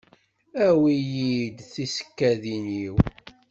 Awi-yi-d tisekkadin-iw.